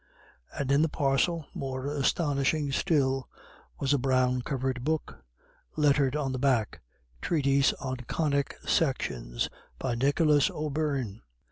And in the parcel, more astonishing still, was a brown covered book, lettered on the back: A Treatise on Conic Sections, by Nicholas O'Beirne.